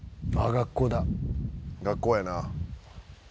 「学校やな」